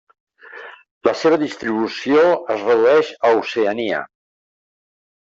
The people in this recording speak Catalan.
La seva distribució es redueix a Oceania.